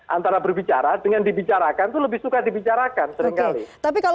antara berbicara dengan dibicarakan itu lebih suka dibicarakan seringkali